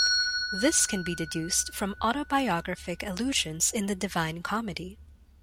This can be deduced from autobiographic allusions in the Divine Comedy.